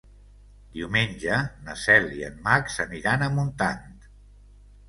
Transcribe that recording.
Diumenge na Cel i en Max aniran a Montant.